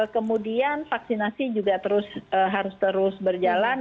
kemudian vaksinasi juga harus terus berjalan